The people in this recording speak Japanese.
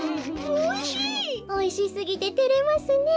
おいしすぎててれますねえ。